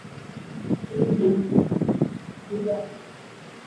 চোখ নীলচে।।